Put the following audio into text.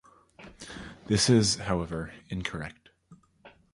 This is, however, incorrect.